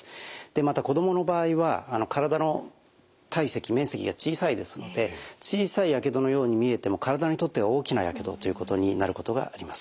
また子どもの場合は体の体積面積が小さいですので小さいやけどのように見えても体にとっては大きなやけどということになることがあります。